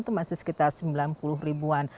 itu masih sekitar sembilan puluh ribuan